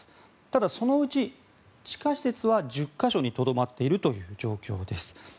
ただそのうち地下施設は１０か所にとどまっているという状況です。